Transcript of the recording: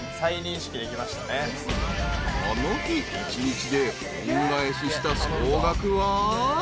［この日一日で恩返しした総額は］